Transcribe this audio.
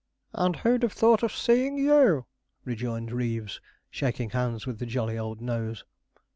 'And who'd have thought of seeing you?' rejoined Reeves, shaking hands with the jolly old nose.